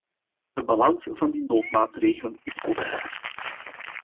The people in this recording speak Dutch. De balans van die noodmaatregelen is positief.